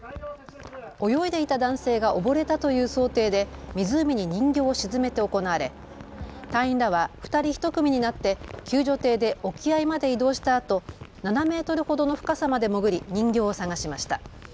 泳いでいた男性が溺れたという想定で湖に人形を沈めて行われ隊員らは２人１組になって救助艇で沖合まで移動したあと７メートルほどの深さまで潜り人形を探しました。